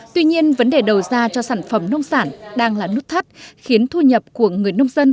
tuy nhiên vấn đề đầu ra cho sản phẩm nông sản đang là nút thắt khiến thu nhập của người nông dân